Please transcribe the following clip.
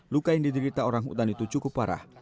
luka yang diderita orangutan itu cukup parah